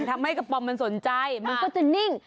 ทำให้กระป๋อมมันสนใจมันก็จะนิ่ง